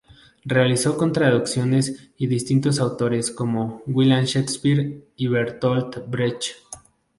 Realizó traducciones de distintos autores, como William Shakespeare y Bertolt Brecht.